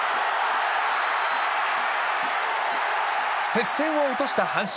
接戦を落とした阪神。